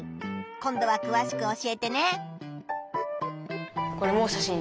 今度はくわしく教えてね。